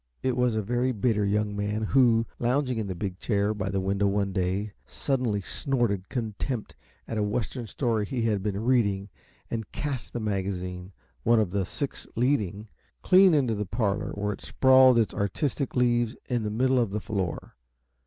It was a very bitter young man who, lounging in the big chair by the window one day, suddenly snorted contempt at a Western story he had been reading and cast the magazine one of the Six Leading clean into the parlor where it sprawled its artistic leaves in the middle of the floor.